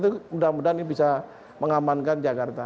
itu mudah mudahan ini bisa mengamankan jakarta